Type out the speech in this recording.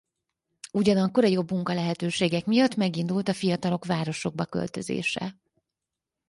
Ugyanakkor a jobb munkalehetőségek miatt megindult a fiatalok városokba költözése.